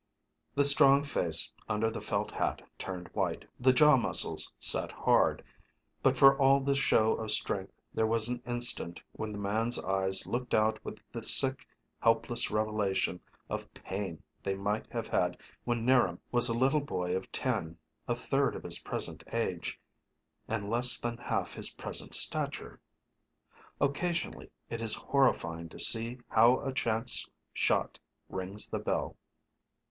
The strong face under the felt hat turned white, the jaw muscles set hard, but for all this show of strength there was an instant when the man's eyes looked out with the sick, helpless revelation of pain they might have had when 'Niram was a little boy of ten, a third of his present age, and less than half his present stature. Occasionally it is horrifying to see how a chance shot rings the bell.